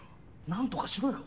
何とかしろよ！